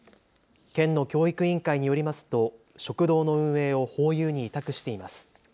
県の教育委員会によりますと食堂の運営をホーユーに委託しています。